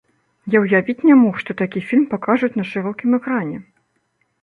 Я ўявіць не мог, што такі фільм пакажуць на шырокім экране.